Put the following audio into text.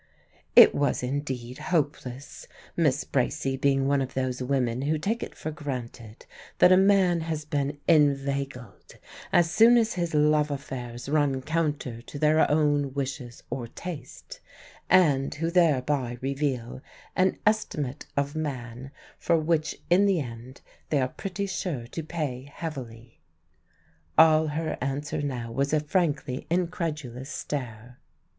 It was indeed hopeless, Miss Bracy being one of those women who take it for granted that a man has been inveigled as soon as his love affairs run counter to their own wishes or taste; and who thereby reveal an estimate of man for which in the end they are pretty sure to pay heavily. All her answer now was a frankly incredulous stare.